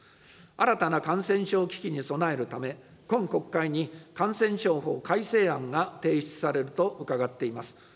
新たな感染症危機に備えるため、今国会に感染症法改正案が提出されると伺っています。